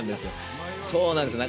そうなんですよ。